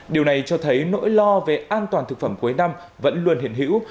điều này cho thấy nỗi lo về an toàn thực phẩm cuối năm vẫn luôn hiện hữu